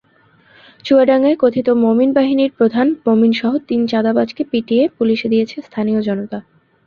চুয়াডাঙ্গায় কথিত মোমিন বাহিনীর প্রধান মোমিনসহ তিন চাঁদাবাজকে পিটিয়ে পুলিশে দিয়েছে স্থানীয় জনতা।